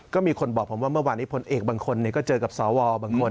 ก็มีคนบอกผมว่าเมื่อวานนี้พลเอกบางคนก็เจอกับสวบางคน